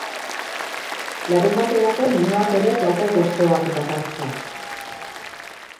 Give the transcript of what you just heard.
Larunbaterako menuak ere plater gozoak dakartza.